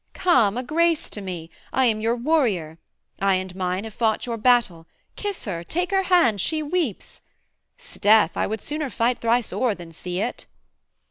Come, a grace to me! I am your warrior: I and mine have fought Your battle: kiss her; take her hand, she weeps: 'Sdeath! I would sooner fight thrice o'er than see it.'